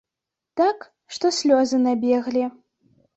Так, што слёзы набеглі.